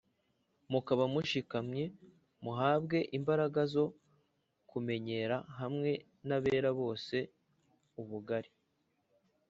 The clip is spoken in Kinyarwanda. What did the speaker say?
mukaba mushikamye, muhabwe imbaraga zo kumenyera hamwe n'abera bose ubugari,